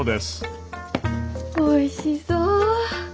おいしそう。